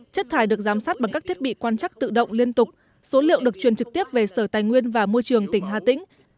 chất thải được giám sát bằng các thiết bị quan chắc tự động liên tục số liệu được truyền trực tiếp về sở tài nguyên và môi trường tỉnh hà tĩnh